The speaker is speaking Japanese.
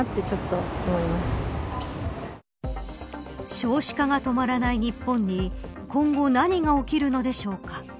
少子化が止まらない日本に今後、何が起きるのでしょうか。